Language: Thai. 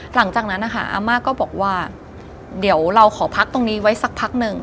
หลังจากนั้นนะคะอาม่าก็บอกว่าเดี๋ยวเราขอพักตรงนี้ไว้สักพักหนึ่ง